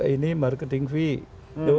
ini marketing fee